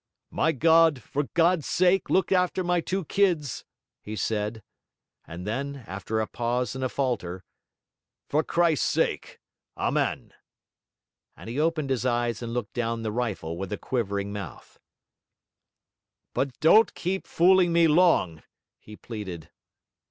'My God, for Christ's sake, look after my two kids,' he said; and then, after a pause and a falter, 'for Christ's sake, Amen.' And he opened his eyes and looked down the rifle with a quivering mouth. 'But don't keep fooling me long!' he pleaded.